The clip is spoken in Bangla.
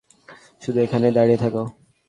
শুধু এখানেই দাঁড়িয়ে থাকো।